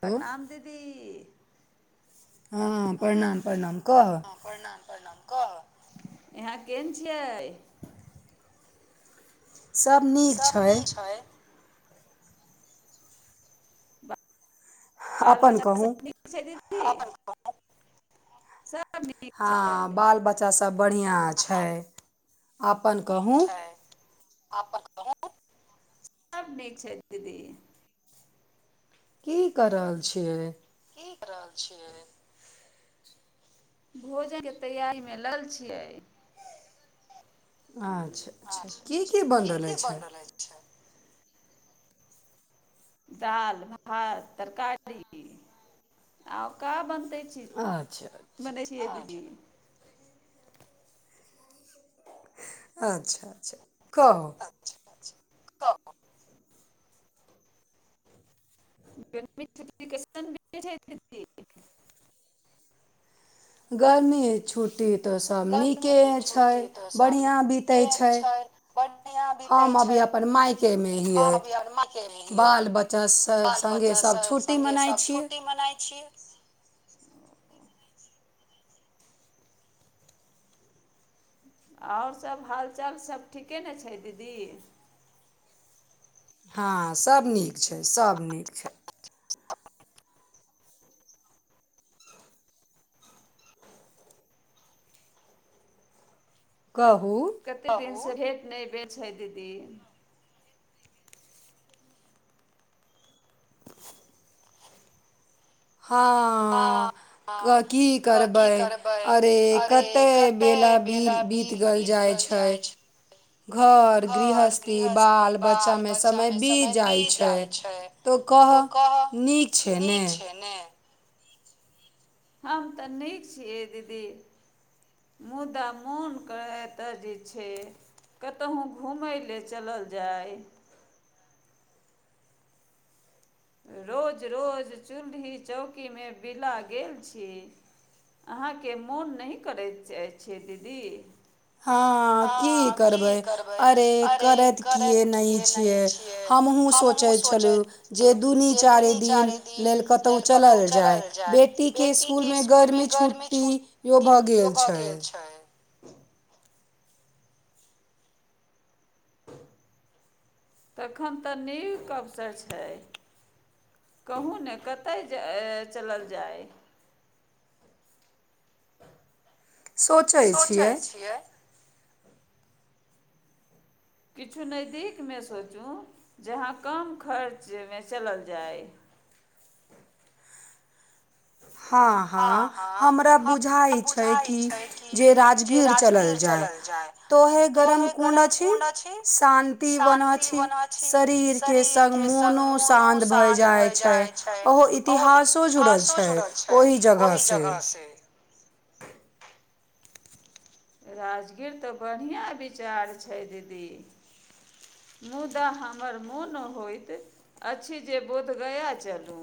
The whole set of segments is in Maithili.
प्रणाम दीदी। हाँ प्रणाम, प्रणाम कहअ। का, इहाँ केहेन छै। सब नीक छै। बाल बच्चा सब नीक छथिन। [unintelligible] हां, बाल बच्चासब बढ़िया छै। आब। अपन कहु। अपन कहु, सब नीक छै दीदी। की क रहल छियै। की क रहल छियै, भोजन के तैयारी मे लागल छियै। अच्छा अच्छा, की की बनि रहल छै। दाल भात तरकारी, आब का बन तै छी, बनेलियै दीदी। अच्छा अच्छा। कहु। अच्छा, कहु। [unintelligible] गर्मी छुटी। त सब नीके छै, बढ़िया बितै छै, हम अभी अपन मायकेमे हियै, बाल बच्चा संग संगे सब छुट्टी मनाइ छियै। [inaudible] आओर सब हालचाल सब ठीके ने छै दीदी। हां, सब नीक छै, सब नीक छै। कतेक दिन से। भेंट नै भेल छै दीदी। [unintelligible] हां, कि करबै, अरे कतेक बेला बीत गेल जाइ छै। घर, गृहस्थी, बाल-बच्चा मे समय बीत जाय छै तो कहा नीक छै ने। हम ते नीक छियै दीदी। मुदा मोन करेएत जे छै कतहु घूमय लेल चलल जाय। रोज-रोज चूल्ही चौकी मे बिला गेल छी, अहाँ के मोन नै करैत जाय छीये दीदी। हाँ की करबै अरे करत किए नै छियै, हमहूँ सोचै छलु। जे दुनी चारे दिन लेल कतौ चलल जाय, बेटी के स्कूल मे गर्मी छुट्टीयो भ गेल छै। तखन त नीक अवसर छै, कहु ने कतय चलल जाय? सोचै छियै। किछु नजदीकमे सोचु, जहां कम खर्चमे चलल जाय। हां हां हमरा बुझाइत छै कि जे राजगीर चलल जाय, त उहें गरम कुण्ड अछि शान्तिवन अछि शरीरके संग मोनो शान्त भए जाइत छै ओहो इतिहासो जुड़ल छै। ओहि जगह से राजगीर तऽ बढ़ियाँ विचार छै दीदी, मुदा हमर मोन होएत अछि जे बोधगया चलू,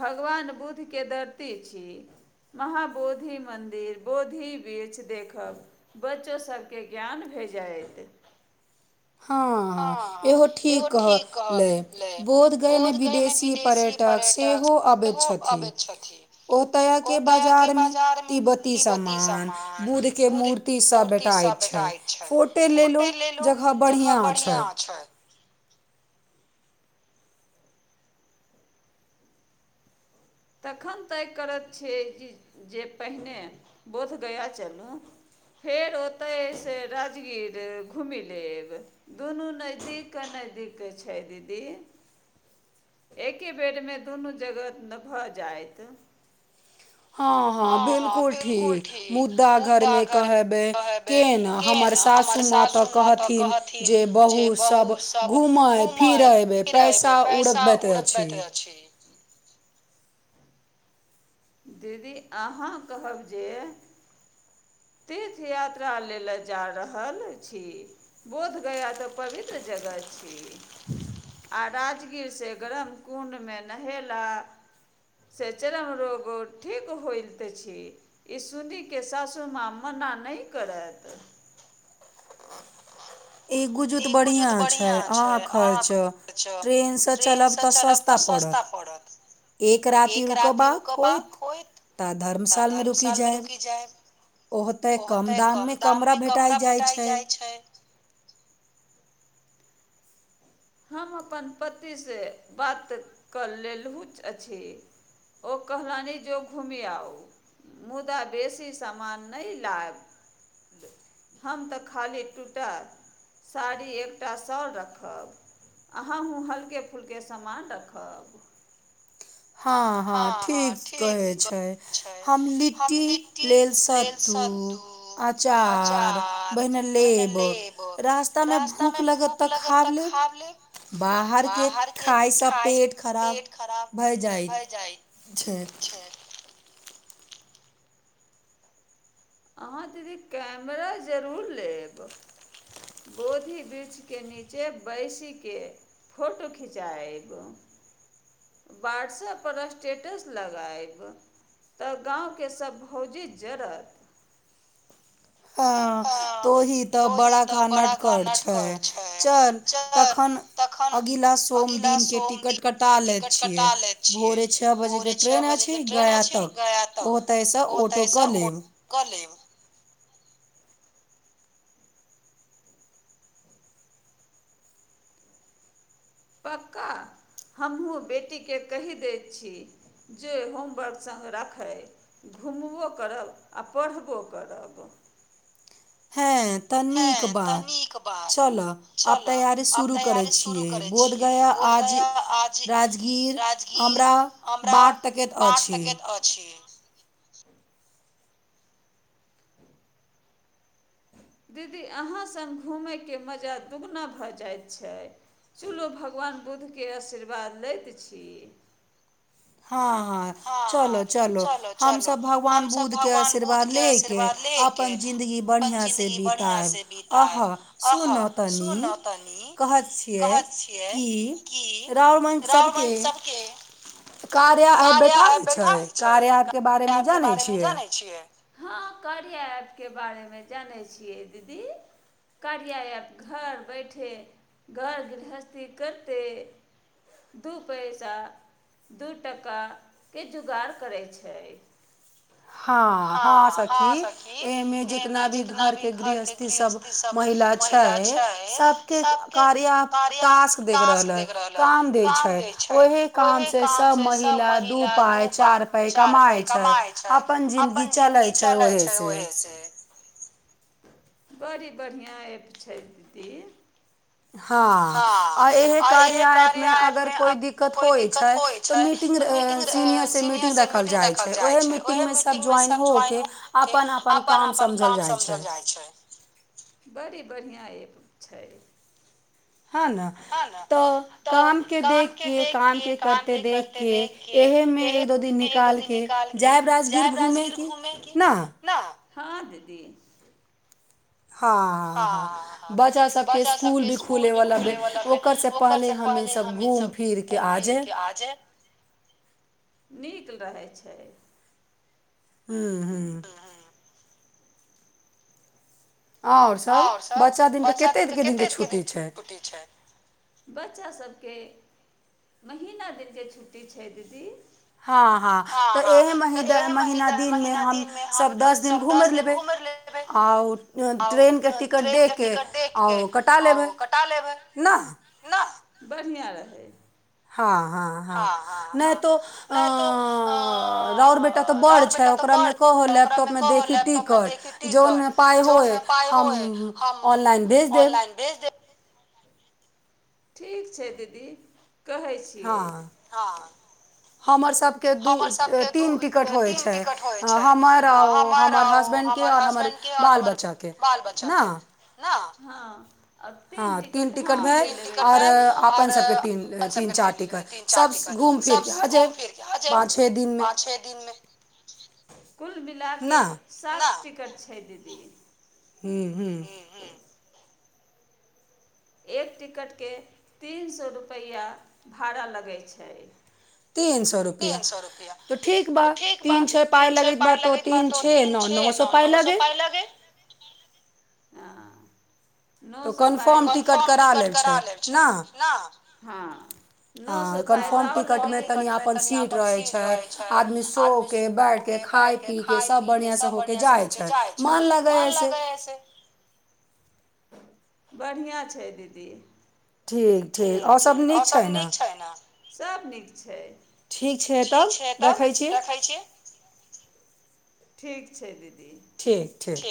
भगवान बुध के धरती छी, महाबोधि मन्दिर, बोधि वृक्ष देख अ बच्चो सबके ज्ञान भे जाएत। हाँ हाँ एगो ठीक कहले बोध गय मे विदेशी पर्यटक सेहो अबैत छथिन, ओतया के बजार मे तिब्बती समान, बुध के मूर्ति सब भेटाएत छै, फोटे लेलौ ज बढ़ियाँ। बढ़ियाँ छै। तखन तय करत छै जे जे पहिने बोधगया चलु फेर ओतय से राजगीर घुम लेब, दुनू नजदीक, नजदीक छै दीदी, एके बेर मे दुनू जगह भऽ जाएत। हाँ हाँ बिलकुल ठीक मुद्दा घर मे रहेबै के ने, हमर सासू माँ तऽ कहथिन जे बहु सब घूमे फिरेब, पैसा उड़बैत अछि। दीदी अहाँ कहब जे तीर्थ यात्रा लेला जा रहल छी, बोधगया तऽ पवित्र जगह छी आ राजगीर से गरम कुंड मे नहेला से चरम रोगो ठीक होयत छी, ई सुनी के सासु मां मना नै करत। ई गुजू त बढ़ियाँ छै, आ ख च ट्रेन से चलब तऽ सस्ता पड़त, एक राति रुकबाक होएत तऽ धर्मशालमे रुकि जाएब, ओहो तय कम दाम मे कमरा भेटाय जाय छै। हम अपन पति से बात कर लेलहु अछि, ओ कहलनि जो घुमिआउ, मुदा बेसी समान नै लाएब, हम तऽ खाली टूटा साड़ी, एकटा शॉल रखब। अहहूँ हल्के-फुल्के समान रखब। हाँ हाँ ठीक कहै छै, हम लिट्टी लेल सत्तू, अचार बहिने लेबो, रास्ता मे भूख लगत ते खा लेब, बाहर के खाय से पेट खराब छै। अहाँ दीदी कैमरा जरूर लेब, बोधि वृक्षके नीचे बैसी के फोटो खिचाएब। व्हाट्सएप पर स्टेटस लगायब तऽ गाँव के सब भौजी जरत। हाँ तोही तऽ बड़ाका नटकर छै, चल तखन अगिला सोम दिन के टिकट कटा लै छियै, भोरे छ बजे के ट्रेन अछि गया तक ओतय से ऑटो कऽ लेब। पक्का हमहु बेटी केँ कैह दै छी जे होमवर्क संग राखय घुमबो करब आ पढ़बो करब। हें। हें तऽ नीक बात चला आब तैयारी शुरू करै छियै, बोधगया आज राजगीर अमरा बाट तकैत अछि। दीदी अहाँ संग घूमय के मजा दुगुना भऽ जाय छै, चुलू भगवान बुद्ध के आशीर्वाद लैत छी। हाँ-हाँ चलो चलो हम सब भगवान बुध के आशीर्वाद लेके अपन जिन्दगी बढ़ियाँ से बिताएब, अहा सुना तनी कहत छियै कि राव मंच सबके कार्या ऐप बैठाल छै, कार्या ऐप के बारे मे जानै छियै। हाँ कार्या ऐप के बारे मे जानै छियै दीदी, कार्या ऐप घर बैठे घर गृहस्थी करते दू पैसा दू टका के जुगाड़ करै छै। हाँ-हाँ सखी ए मे जितना भी घर के गृहस्थी सब महिला छै, सब के कार्या टास्क देख रहल अय, काम दै छै, ओहे काम से सब महिला दू पाय, चार पाय कमाय छै। अपन जिन्दगी चले छैय ओहे से। बड़ी बढ़ियाँ ऐप छै दीदी। हँ आ इह कार्यऐपमे अगर कोइ दिक्कत होइ छैय तऽ मीटिंग सीनियरसँ मीटिंग राखल जाइ छैय, उएहे मीटिंगमे सभ ज्वाइन होके अपन अपन काम समझल जाइ छैय। बड़ी बढ़िआँ ऐप छैय। हँ ने तऽ कामके देखि कऽ कामके करिते देखि कऽ एहमे एक दू दिन निकालि कऽ जायब राजगीर घूमयके ने। हाँ दीदी। हँ हँ बच्चा सभके इसकुल भी खुलयवला ओकरसँ पहिले हम ईसभ घूमि फिरि कऽ आ जायब। नीक रहै छैय। हूँ हूँ। आओर सब बच्चा दिन के कतेक दिनके छुटी छैय बच्चा सब के महिना दिनके छुट्टी छैय दीदी। हँ हँ तऽ एहि महि द महीना दिनमे हमसभ दस दिन घुमि लेबै आओर ट्रेन के टिकट देखके आओ कटा लेबे। बढ़िआँ रहै। हँ हँ हँ नहि तो अ राउर बेटा तऽ बड़ छैय ओकरामे कहो लैपटॉपमे देखी टिकट जौनमे पाय होय। हम ऑनलाइन भेज देब। ठीक छैय दीदी। कहै छियै, हाँ। दू तीन टिकट होइ छैय हमर आओर हमर हसबैंडके आओर हमर बाल बच्चाके ने। हँ। हँ तीन टिकट भय आओर अपन सभके तीन तीन चारि टिकट सभ घूमि फिरि कऽ आ जायब। आ जाएब पाँच छ दिन मे कुल मिल के सास के कर छै दीदी। हूँ हूँ। एक टिकटके तीन सौ रुपैआ भाड़ा लगै छैय। तीन सौ रुपया तो ठीक बा तो तीन छैय पाय लगे के बा तो तीन छै न नौ सौ पाय लागे। नौ सौ पाए कन्फर्म टिकट करा लेल छै ना। हाँ। आ कन्फर्म टिकट में तनि आ तनि अपन सीट रहै छै, आदमी सुतके, बैठकें, खाय पीके सब बढ़िया से होके जाइ छै, मोन लगै छै। बढ़िया छै दीदी। ठीक ठीक और सब नीक छै ने। सब नीक छै। ठीक छैय तब रखै छि। ठीक छैय दीदी। ठीक ठीक